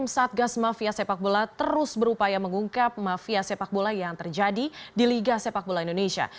satgas mafia sepak bola terus berupaya mengungkap mafia sepak bola yang terjadi di liga sepak bola indonesia